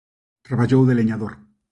Traballou de leñador.